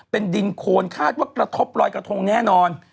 เป็นดินโคนคาดว่ากระทบลอยกระทงแน่นอน